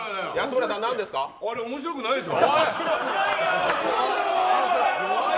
あれ面白くないでしょ。